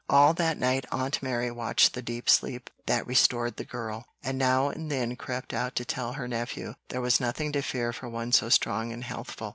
All that night Aunt Mary watched the deep sleep that restored the girl, and now and then crept out to tell her nephew there was nothing to fear for one so strong and healthful.